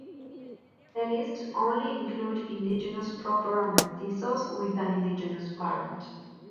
The list only include indigenous proper and mestizos with an indigenous parent.